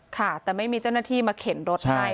ค่ะแต่ไม่มีเจ้าหน้าที่มาเข็นรถให้